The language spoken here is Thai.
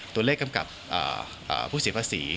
ตัวเลขกำกับผู้เสียภาษี